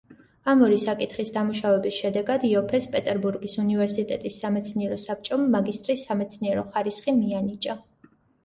ამ ორი საკითხის დამუშავების შედეგად იოფეს პეტერბურგის უნივერსიტეტის სამეცნიერო საბჭომ მაგისტრის სამეცნიერო ხარისხი მიანიჭა.